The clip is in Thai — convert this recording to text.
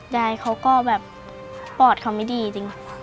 ยายเขาก็แบบปอดเขาไม่ดีจริง